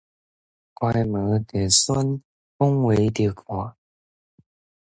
關門就栓，講話就看